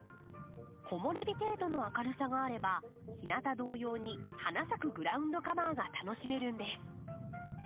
木漏れ日程度の明るさがあれば日なた同様に花咲くグラウンドカバーが楽しめるんです。